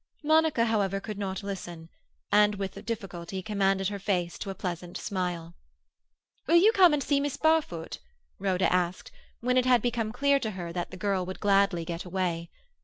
Monica, however, could not listen, and with difficulty commanded her face to a pleasant smile. "Will you come and see Miss Barfoot?" Rhoda asked, when it had become clear to her that the girl would gladly get away.